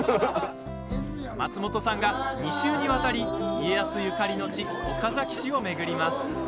松本さんが２週にわたり家康ゆかりの地岡崎市を巡ります。